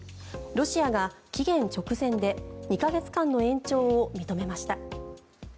ロシアが期限直前で２か月間の延長を認めました。